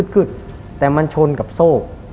ึ๊ดแต่มันชนกับโซ่